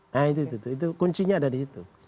nah itu itu kuncinya ada di situ